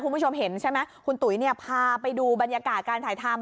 คุณผู้ชมเห็นใช่ไหมคุณตุ๋ยเนี่ยพาไปดูบรรยากาศการถ่ายทำ